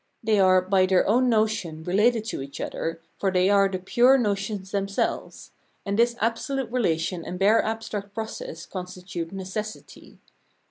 They are by their own notion related to each other, for they are the pure notions themselves ; and this absolute relation and bare abstract process constitute Necessity.